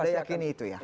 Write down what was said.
anda yakin itu ya